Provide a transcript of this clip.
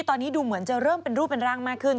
ตอนนี้ดูเหมือนจะเริ่มเป็นรูปเป็นร่างมากขึ้น